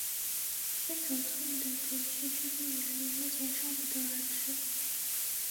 偏头痛的准确致病原理目前尚不得而知。